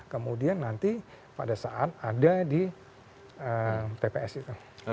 kemudian nanti pada saat ada di tps itu